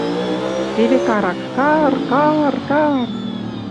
Теве карак: кар-кар-кар!